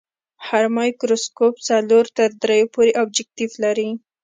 هر مایکروسکوپ څلور تر دریو پورې ابجکتیف لري.